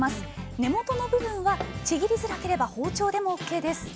根元の部分はちぎりづらければ包丁でもＯＫです